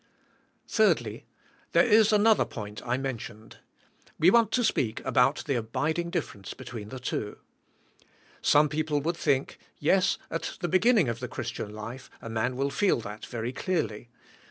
3. There is another point I mentioned. We want to speak about the abiding difference between f H^ HKAVKNI.Y TrKASURK. 16^7 the two. Some people would think: Yes, at the be ginning of the Christian life, a man will feel that very clearly.